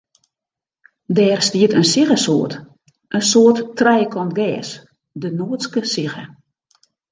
Dêr stiet in siggesoart, in soart trijekant gers, de noardske sigge.